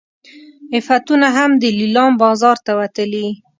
عفتونه هم د لیلام بازار ته وتلي.